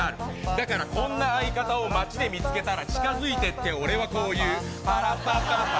だからこんな相方を街で見つけたら地下づいてって、俺はこう言う。